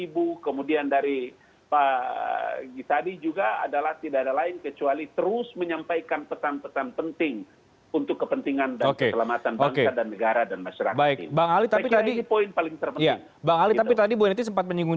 bang ali tapi tadi bu eneti sempat menyinggung